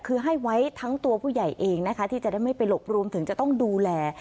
คือให้ไว้ทั้งตัวผู้ใหญ่เองนะคะที่จะได้ไม่ไปหลบรวมถึงจะต้องดูแล